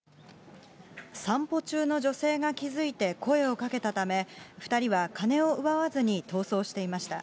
散歩中の女性が気付いて声をかけたため、２人は金を奪わずに逃走していました。